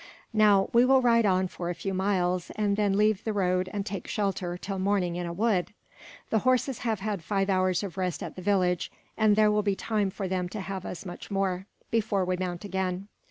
"Now, we will ride on for a few miles, and then leave the road and take shelter, till morning, in a wood. The horses have had five hours' rest at the village, and there will be time for them to have as much more, before we mount again.